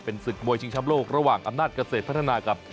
ศึกมวยชิงช้ำโลกระหว่างอำนาจเกษตรพัฒนากับ